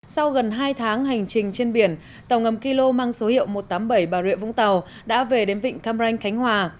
sau gần hai tháng hành trình trên biển tàu ngầm km mang số hiệu một trăm tám mươi bảy bà rịa vũng tàu đã về đến vịnh cam ranh khánh hòa